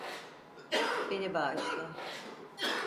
Beni bağışla.